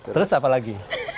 terus apa lagi